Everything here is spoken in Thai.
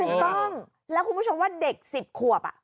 ถูกต้องแล้วคุณผู้ชมว่าเด็ก๑๐ขวบ